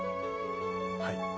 はい。